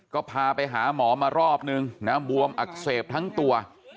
ก็พาไปหาหมอมารอบนึงนะบวมอักเสบทั้งตัว